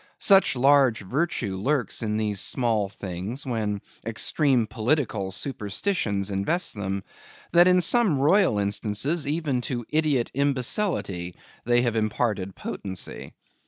Such large virtue lurks in these small things when extreme political superstitions invest them, that in some royal instances even to idiot imbecility they have imparted potency.